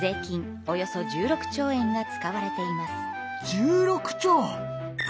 １６兆！？